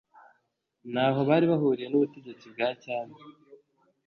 ntaho bari bahuriye n' ubutegetsi bwa cyami,